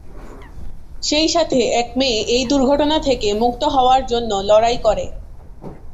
সেই সাথে এক মেয়ে এই দুর্ঘটনা থেকে মুক্ত হওয়ার জন্য লড়াই করে।